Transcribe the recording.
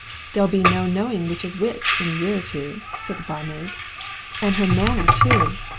"There'll be no knowing which is which, in a year or two," said the barmaid. "And her manner too!